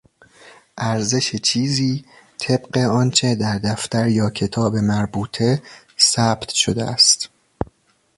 ارزش چیزی طبق آنچه در دفتر یا کتاب مربوطه ثبت شده است.